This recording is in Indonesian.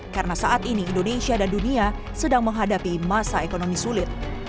karena saat ini indonesia dan dunia sedang menghadapi masa ekonomi sulit